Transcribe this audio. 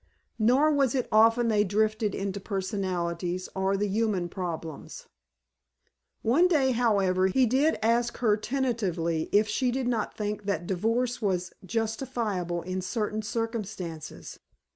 Nor was it often they drifted into personalities or the human problems. One day, however, he did ask her tentatively if she did not think that divorce was justifiable in certain circumstances.